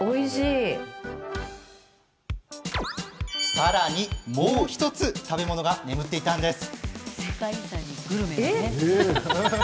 さらに、もう１つ食べ物が眠っていたんです。